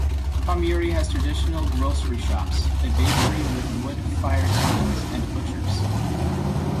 Promyri has traditional grocery shops, a bakery with wood fired ovens and butchers.